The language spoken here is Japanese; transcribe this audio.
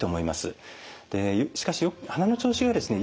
しかし鼻の調子がですね